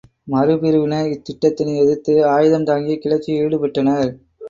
மறுபிரிவினர் இத்திட்டத்தினை எதிர்த்து ஆயுதம்தாங்கிய கிளர்ச்சியில் ஈடுபட்டனர்.